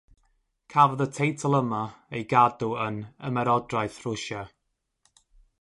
Cafodd y teitl yma ei gadw yn Ymerodraeth Rwsia.